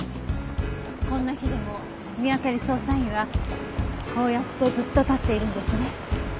こんな日でも見当たり捜査員はこうやってずっと立っているんですね。